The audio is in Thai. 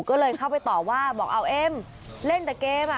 ก็เลยเข้าไปต่อว่าบอกเอาเอ็มเล่นแต่เกมอ่ะ